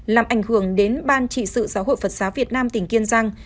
làm ảnh hưởng đến ban trị sự giáo hội phật giáo việt nam tỉnh kiên giang